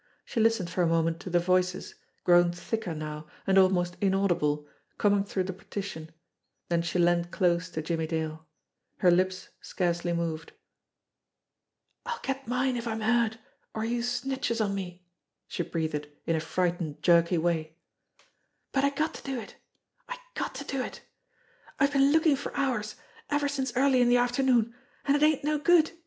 She listened for a moment to the voices, grown thicker now and almost 164s JIMMIE DALE AND THE PHANTOM CLUE inaudible, coming through the partition, then she leaned close to Jimmie Dale. Her lips scarcely moved. "I'll get mine if I'm heard, or youse snitches on me," she breathed in a frightened, jerky way. "But I got to do it. I got to do it. I've been lookin' for hours, ever since early in de afternoon, an' it ain't no good.